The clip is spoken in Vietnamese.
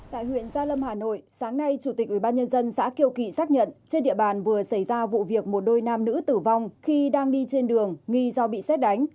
tại huyện gia lâm hà nội sáng nay chủ tịch ubnd xã kiêu kỵ xác nhận trên địa bàn vừa xảy ra vụ việc một đôi nam nữ tử vong khi đang đi trên đường nghi do bị xét đánh